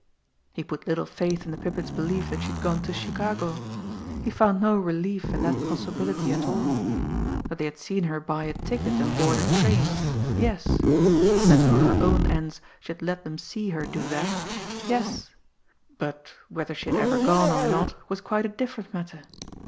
He put little faith in the Pippin's belief that she had gone to Chicago. He found no relief in that possibility at all. That they had seen her buy a ticket and board a train yes. That for her own ends she had let them see her do that yes. But whether she had ever gone or not was quite a different matter!